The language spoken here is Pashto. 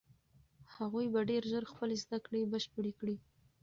هغوی به ډېر ژر خپلې زده کړې بشپړې کړي.